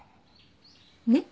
ねっ？